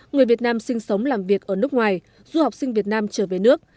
người việt nam sinh sống làm việc ở nước ngoài du học sinh việt nam trở về nước